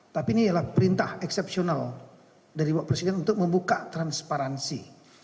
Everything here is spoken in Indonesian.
tapi ini adalah perintah eksepsional dari bapak presiden untuk membuka transparansi